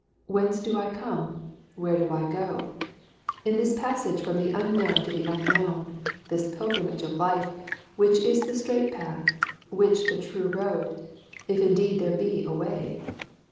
Whence do I come; where do I go? In this passage from the unknown to the unknown, this pilgrimage of life, which is the straight path, which the true road if indeed there be a Way?